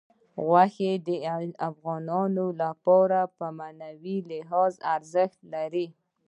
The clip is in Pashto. غوښې د افغانانو لپاره په معنوي لحاظ ارزښت لري.